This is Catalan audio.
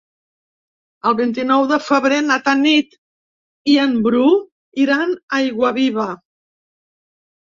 El vint-i-nou de febrer na Tanit i en Bru iran a Aiguaviva.